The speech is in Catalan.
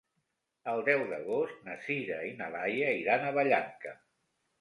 El deu d'agost na Sira i na Laia iran a Vallanca.